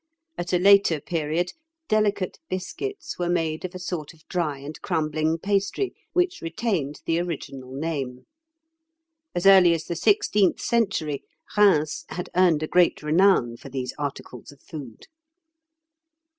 At a later period, delicate biscuits were made of a sort of dry and crumbling pastry which retained the original name. As early as the sixteenth century, Rheims had earned a great renown for these articles of food.